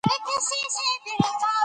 ښه به هغه وخت وي، چې به يار لره وردرومم